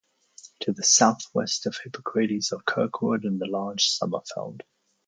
To the southwest of Hippocrates are Kirkwood and the large Sommerfeld.